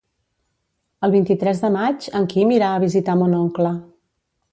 El vint-i-tres de maig en Quim irà a visitar mon oncle.